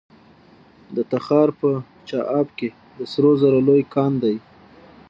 د تخار په چاه اب کې د سرو زرو لوی کان دی.